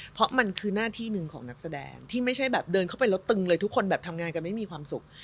เพราะมันคือหน้าที่หนึ่งของนักแสดงที่ไม่ใช่แบบเดินเข้าไปแล้วตึงเลยทุกคนแบบทำงานกันไม่มีความสุข